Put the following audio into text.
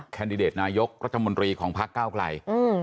แดดิเดตนายกรัฐมนตรีของพักเก้าไกล